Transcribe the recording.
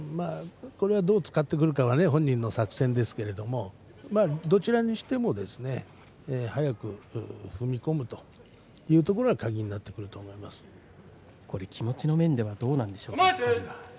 これをどう使ってくるかは本人の作戦ですけれどもどちらにしても早く踏み込むというところが気持ちの面ではどうなんでしょうか。